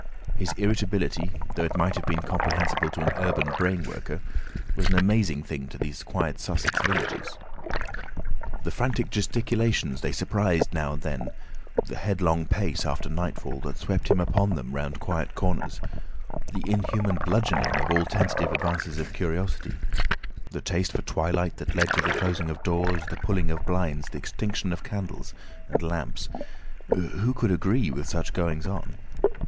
His irritability, though it might have been comprehensible to an urban brain worker, was an amazing thing to these quiet Sussex villagers. The frantic gesticulations they surprised now and then, the headlong pace after nightfall that swept him upon them round quiet corners, the inhuman bludgeoning of all tentative advances of curiosity, the taste for twilight that led to the closing of doors, the pulling down of blinds, the extinction of candles and lamps—who could agree with such goings on?